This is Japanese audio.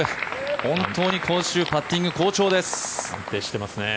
本当に今週パッティング好調です。